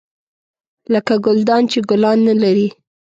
لکه ګلدان چې ګلان نه لري .